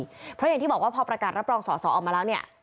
เพราะอย่างที่บอกว่าพอประกาศรับรองสอสอออกมาแล้วเนี่ย